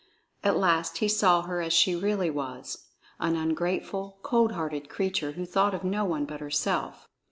At last he saw her as she really was, an ungrateful, cold hearted creature who thought of no one but herself.